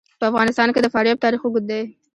په افغانستان کې د فاریاب تاریخ اوږد دی.